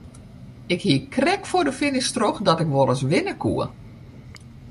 Ik hie krekt foar de finish troch dat ik wol ris winne koe.